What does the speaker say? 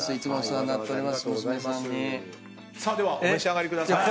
ではお召し上がりください。